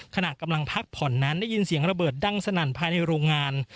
ขณะกำลังพักผ่อนนั้นได้ยินเสียงระเบิดดังสนั่นภายในโรงงาน